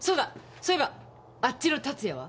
そういえばあっちの達也は？